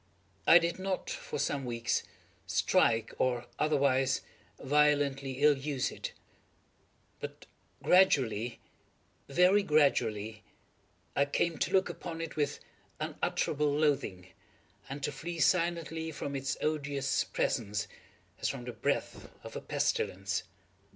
I did not, for some weeks, strike, or otherwise violently ill use it; but gradually—very gradually—I came to look upon it with unutterable loathing, and to flee silently from its odious presence, as from the breath of a pestilence.